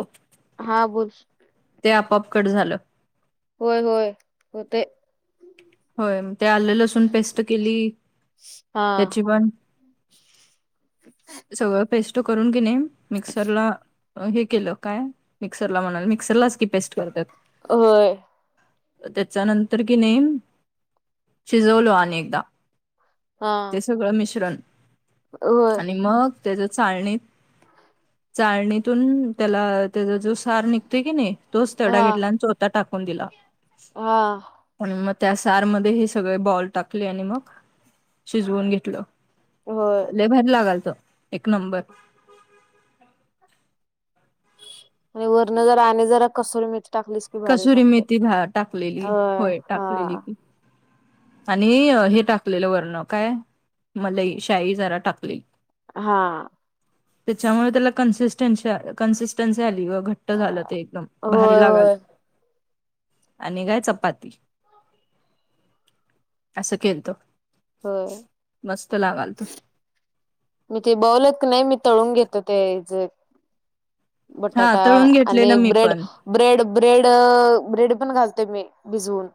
हो हा बोल ते आपापकट झालं होय होय हो ते होयग ते आले ल असून पेस्ट केली हा त्याची पण सगळं पेस्ट करून घेणे मिक्सरला हे केलं काय मिक्सरला म्हणाल मिक्सरलाच की पेस्ट करतात होय त्याच्यानंतर कि नेम शिजवलो अनेकदा हा सगळं मिश्रण होय आणि मग त्याच चालणीत चाळणीतून त्याला त्याचा जो सार निघतय की नाही तोच हा तेवढा घेतला आणि चोथा टाकून दिला हा आणि मग त्या सार मध्ये हे सगळे बॉल टाकले आणि मग शिजवून घेतलं होय ले भर लागाल त एक नंबर म्हण वरण जरा आने जरा कसवली मती टाकली कसुरी मेथी टाकलेली होय हा टाकले ली की आणि हे टाकलेलं वर्ण काय मला ह शाई जरा टाकले हा त्याच्यामुळे त्याला कन्सिस्टन्स कन्सिस्टन्सी आली व घट्ट झालं ते एकदम भारी होय लागायला होय आणि काय चपाती असं केतो हो मी ते बवल की नाही मी तळून घेतो ते जे हा बटाटा तळून आणि घेतलेलं मी ब्रेड पण ब्रेड ब्रेड ब्रेड पण घालते मी भिजवून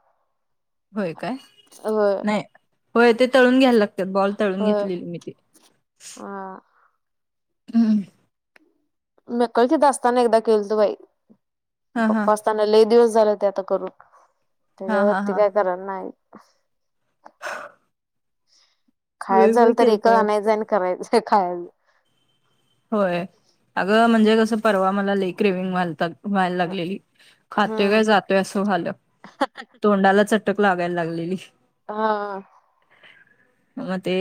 होय काय होय नाही होय ते तळून घ्याला लागत बॉल तळून होय घेतलेली मी ते हा हम्म म कलच दसताना एकदा खिलतू बाई हा हा पप्प ताना लले दिवस झाले ते आता करून हा हा त्याच्यावरती हा काय करणार नाही खायच विव झालंल तर एकच केलतोय आणायचं आणि करायचंय खायच होय अगं म्हणजे कसं परवा मला लेक रेविंग मालतात वयला लागलेली खातोय हम्म काय जातोय असं झालं तोंडाला चट अटक लागायला लागलेली हा मग ते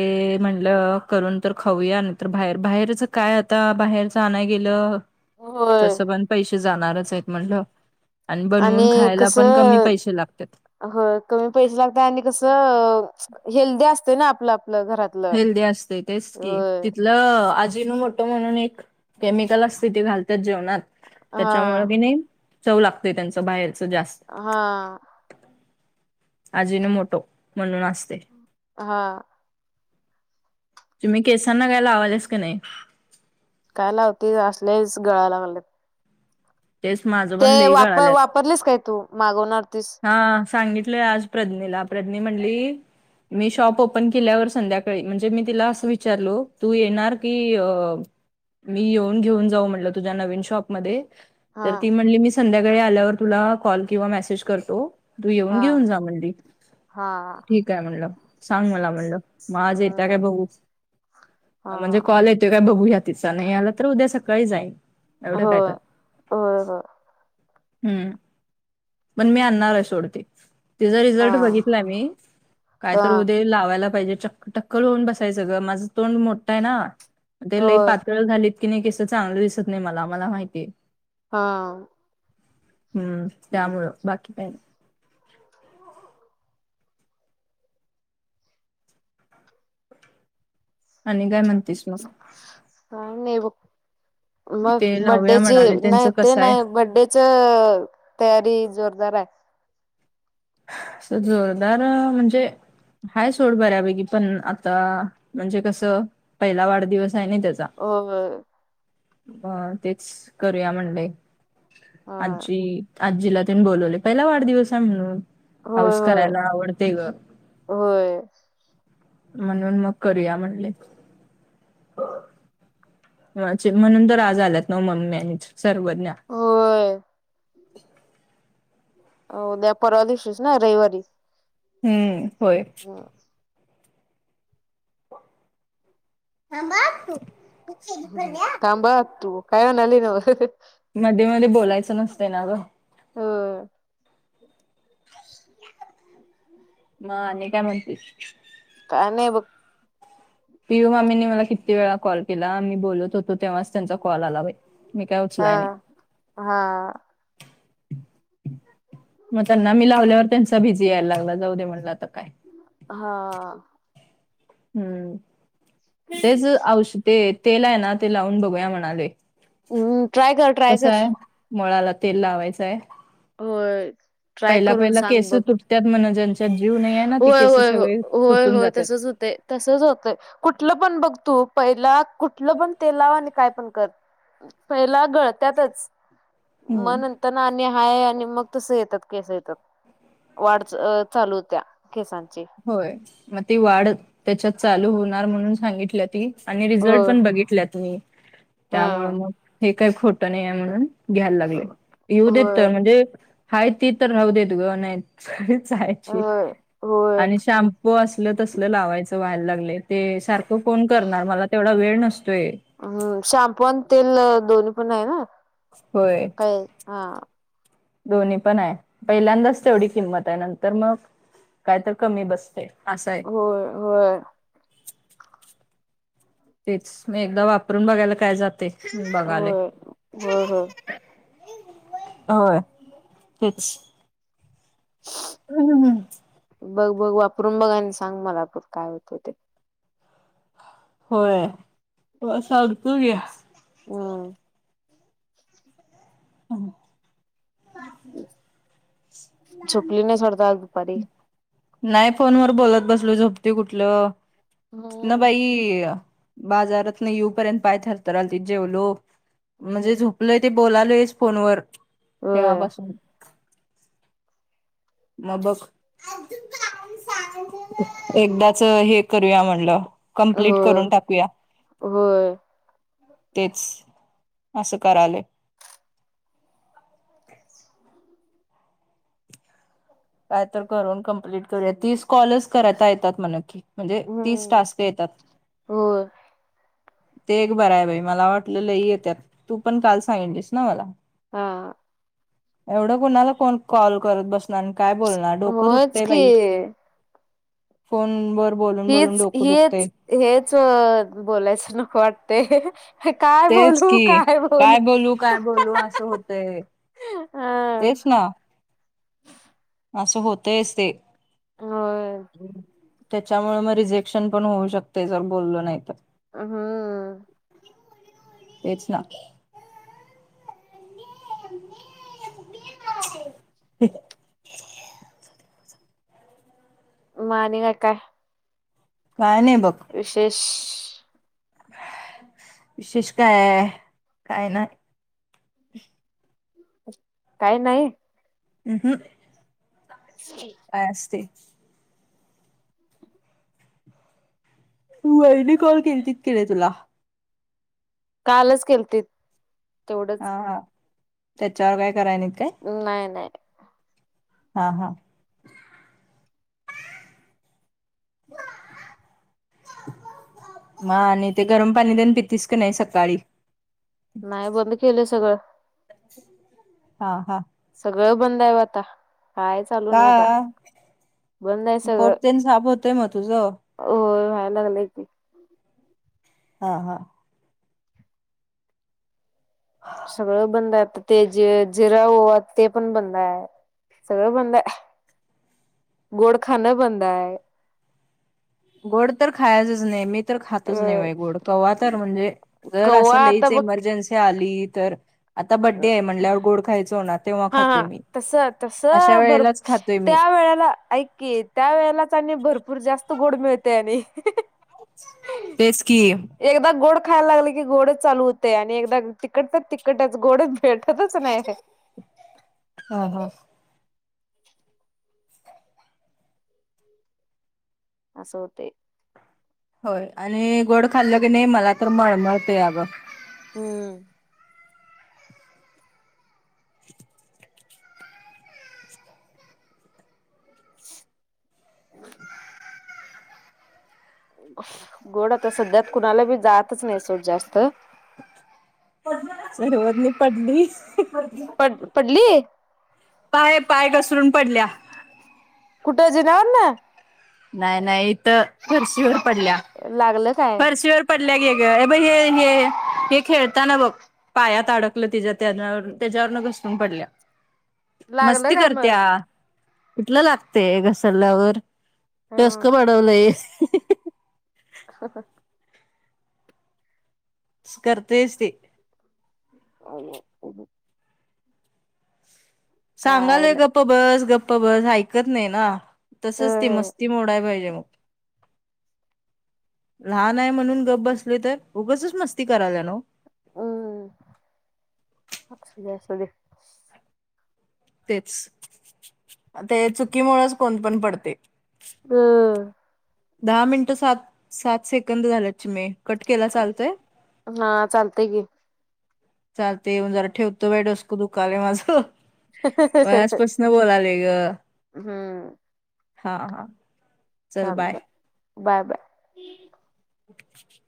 म्हंलं करून तर खाऊया नाही तर बाहेर बाहेरच काय आता बाहेर जाण गेलं होय तसं पण पैसे जाणारच आहेत म्हटलं आणि बनवून खायला पण कमी पैसे लागतात हो कमी पैसे लागत आणि कसं हेल्दी असते ना आपलं आपलं घरात हेल्दी असते तेच की तिथ ल आजीनू मोठं म्हणून एक केमिकल असते ते घालतात जेवणात हा त्याच्यामुळे की नाही चव लागतय त्यांच बाहेरच जास्त हा आजीून मोटो म्हणून असते हा तुम्ही केसांना गायला ला आवालेस का नाही काय लावते असल्याच गळायला लागले तेच माझं ते पण लेह ग वापर आल्यात वापरलीस काय तू मागवणार तीस हा सांगितले आज प्रज्ञेला प्रज्ञा म्हणली मी शॉप ओपन केल्यावर संध्याकाळी म्हणजे मी तिला असं विचारलो तू येणार की मी येऊन घेऊन जाऊ म्हटलं तुझ्या नवीन शॉपमध्येध्ये हा तर ती म्हणली मी संध्याकाळी आल्यावर तुला कॉल किंवा मेसेज करतो तू येऊन हा घेऊन जा म्हणली हा ठीक आहे म्हणलं सांग मला म्हणलं मग आज येतं काय हम्म बऊू हा म्हणजे कॉल येतो काय बघूया तिचा नाही आला तर उद्या सकाळी जाईल एवढं काय तर हो हो हम्म पण मी आणणार आहे सोडते तिचा हा रिझल्ट बघितला मी काय तर हा उद्या लावायला पाहिजे चक्कटक कल होऊन बसायचं ग माझं तोंड मोठं आहे ना ते लई होय पातळ झाली कि नाही केस चांगलं दिसत नाही मला मला माहिती हा हम्म त्यामुळ बाकी पा आणि काय म्हणतेस मग? काय नाही बघ ते मग लावूया बड्डेची म्हणाले त्यांचं नाही ते कसं आहे? नाही बडडे च तयारी जोरदार आहे अस जोरदार म्हणजे हाय सोड बऱ्यापैकी पण आता म्हणजे कसं पहिला वाढदिवस आहे ना त्याचा हो अ तेच करूया म्हणडे हा आजज आजीला त्यांनी बोलवले पहिला वाढदिवस आहे म्हणून होय हाऊस होय करायला आवडते ग होय म्हणून मग करूया म्हणले म्हणून तर आज आल्यात ना मम्मी आणि सर्वज्ञ होय हो द्या परवा दिवशस ना रविवारी हम्म होय हो थांब अतू हम् थांब ह आतू काय आणायला गिल्या बग मध्ये मध्ये बोलायचं नसते ना ग हा मग आणि काय म्हण्री का नाही बग पियू मामीनी मला किती वेळा कॉल केला मी बोलत होतो तेव्हाच त्यांचा कॉल आला बाई मी काय हा उचलाय नाही हा मग त्यांना मी लावल्यावर त्यांचा बीझी यायला लागला जाऊ दे म्हणला अता काय हा हम्म तेच औष ते तेल आहे ना ते लावून बघूया म्हणालोय हम् ट्राय कर ट्राय कर कसाय मुळाला तेल लावायचाय होय ट्राय पहिला करून पहिला सांग केस बघ तुटत्यात म्हण ज्यांच्यात जीव नाहीयाय होय होय हो होय होय तसच होतय तसच होतंय कुठलं पण बघ तू पहिला कुठलं पण तेल लाव आणि काय पण कर पहिला गळत्यातच मग हम्म. नंतर न आणि हाय आणि मग तसं येतात केस येतात वाढच अ चालू होत्या केसांची होय मग ती वाढ त्याच्यात चालू होणार म्हणून सांगितल्या ती आणि हो रिझल्ट पण बघितल्यात मी हा त्यामुळ मग हे काही खोट नाहीयाय म्हणून घ्यायला लागलय येऊ देत होय तर म्हणजे हाय ती तर राहु देत ग नाही तर सगळीच जायची [unintelligible] होय [unintelligible] आणि शॅम्पू असलं तसलं लावायचं व्हायला लागलय ते सारखं कोण करणार मला - तेवढा वेळ नसतोय हम्म शॅम्पू आणि तेल दोन्ही पण हाय होय होय [unintelligible] हा दोन्ही पण हाय पहिल्यांदाच तेवढी किंमत आहे नंतर मग काय तर कमी बसतय असाय होय होय तेच म एकदा वापरून बघायला काय जातय बघालोय होय होय होय होय तेच [unintelligible] बघ बघ वापरून बघ आणि सांग मला आप काय होतंय ते होय त सगतो की हम [inaudible] झोपली नईस वाटत आज दुपारी नाही फोनवर बोलत बसलो झोपतय कुठलं तीथन हो बाई बाजारातनं येऊपर्यंत पाय थरथरालतीत जेवलो म जे हो. झोप लोय ते बोलालयच फोनवर होय तेव्हापासून म बग एकदाच हे करूया म्हणलं कम्प्लीट होय करून टाकूया होय. तेच असं करायलोय काय तर करून कंप्लीट करूया तीस कॉलस करता येतात म्हण की म्हणजे तीस हम्म. टास्क येतात होय ते एक बरं आहे बाई मला वाटलं लई येत्यात तू पण काल सांगीतलीस ना मला हा एवढं कुणाला कोण कॉल करत बसणार काय बोलणार डोकं होयच दुखतय की बाई फोन वर बोलून बोलून हीच डोक दुखतय हीच हेच बोलायचं नको वाटतय तेच की काय बोलू काय बोलू असं होतय हा तेच ना असं होतयच ते होय त्याच्यामुळे मग रिजेक्शन पण होऊ शकते जर बोलल नाही तर.... अ हा.... तेच ना.... ते..... मानेला का? काय नाही बघ? विशेष.... विशेष काय आहे? काय नाही? हम..... ह [unintelligible] काय असते? तू वईने कॉल केली की नाही तुला? कालच केलते... हा हा त्याच्यावर काय कराय नाही काय? नाही नाही.... हा हा.... ह [unintelligible] म आणि ते गरम पाणी देन पतीस का नाही सकाळी? नाही बंद केलं सगळं..... हा हा... सगळं बंद आहे आता काय चालू का नाही आता बंद आहे सगळं? साप होतय मग तुझं.... हो व्हायला लागलय..... हा हा... सगळं बंद आहे ते जे जिरा ओवा ते पण बंद आहे.... सगळं बंद आहे गोड खणं बंद आहे.... गोड तर खायचच नाही मी तर खातच नाही अ बा गोड कव तर म्हणजे जर कव्वा असं आता लईच बघ इमर्जन्सी आली तर.... आता बड्डे आहे म्हटल्यावर गोड खायचं होणार.... तेव्हा हा हा खातोय मी तस तस अशा बर वेळेलाच खातोय मी त्या वेळेला ऐककी.... त्या वेळेलाच आणि भरपूर जास्त गोड मिळतय आणि.... तेच की एकदा गोड खायला लागले की गोड चालू होते आणि एकदा तिकट तिकखटच गोड भेटतच नाही.... हा हा.... असं होतय.... होय आणि गोड खाल्लं की नाही मला तर मळमळतय बग.... हम्म.... [unintelligible] [inaudible] गोड तर सध्यात कुणाला बी जातच नाही सोड जास्त जरत नाही पडली [inaudible] पड पडली.... पाय पाय घसरून पडल्या... कुठन जीण्यावरून? नाही नाही इथं फरशीवर पडलीय... लागलं काय? शी वर पडल्या गे ग ब हे हे हे खेळताना बघ [unintelligible] पायात अडकलं त्याच्या त्या त्याच्यावरन घसरून पडल्या.... लागलं मस्ती काय करतीया मग? कुठलं लागतय घसरल्यावर.... हा टसक पाडवलंय [unintelligible] हां.. हां करतेयच ते [unintelligible] काय सांगालोय नाही गप्प बस गप्प बस ऐकत नाही ना तसच ते मस्ती मोडाय पाहिजे मग लहान आहे म्हणून गप बसले तर उगच मस्ती करायला न [unintelligible] असू दे तेच [inaudible] ते चुकीमुळेच कोण पण पडतय? हम् दहा मिनटं सात सात सेकंद झाल्यात चिमे कट केला चालतय. हा चालतय की, चालतय येऊन जरा ठेवतो बाई डोसक दुखल माझं मला [unintelligible] न बोलालोय ग हम्म हा हा चल बाय चालतंय बाय बाय [unintelligible]